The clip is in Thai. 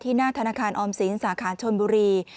หน้าธนาคารออมสินสาขาชนบุรี